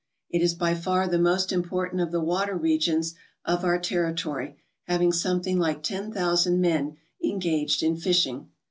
It is by far the most important of the water regions of our territory, having something like ten thousand men engaged in fishing.